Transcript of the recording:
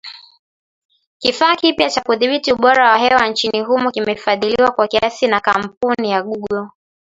Kifaa kipya cha kudhibiti ubora wa hewa nchini humo kimefadhiliwa kwa kiasi na kampuni ya Google.